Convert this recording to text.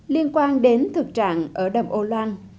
liên quan đến thực trạng ở đầm ô lan